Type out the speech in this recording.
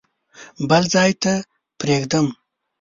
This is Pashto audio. بل ځای ته پرېږدم.